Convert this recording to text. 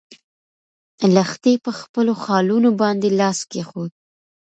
لښتې په خپلو خالونو باندې لاس کېښود.